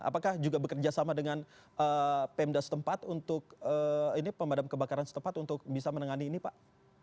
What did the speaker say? apakah juga bekerja sama dengan pemda setempat untuk pemadam kebakaran setempat untuk bisa menangani ini pak